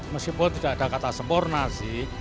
meskipun tidak ada kata sempurna sih